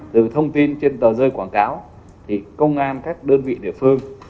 từ thông tin trên tờ rơi quảng cáo công an các đơn vị địa phương